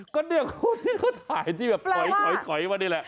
ก็เนี่ยคนที่เขาถ่ายที่แบบถอยมานี่แหละ